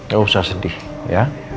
gak usah sedih ya